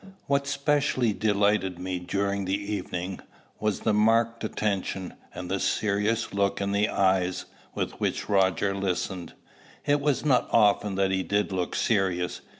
What specially delighted me during the evening, was the marked attention, and the serious look in the eyes, with which Roger listened. It was not often that he did look serious.